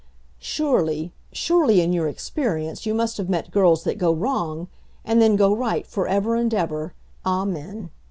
Surely surely, in your experience you must have met girls that go wrong and then go right for ever and ever, Amen.